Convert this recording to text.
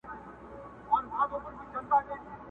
په قسمت مي وصال نه وو رسېدلی٫